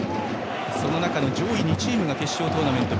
その中の上位２チームが決勝トーナメント